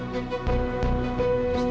saya bersama sokrler